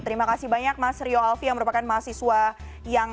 terima kasih banyak mas rio alfie yang merupakan mahasiswa yang